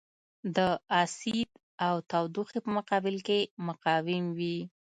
د اسید او تودوخې په مقابل کې مقاوم وي.